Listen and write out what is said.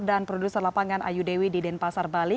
dan produser lapangan ayu dewi di denpasar bali